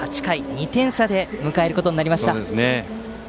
２点差で迎えることになりました。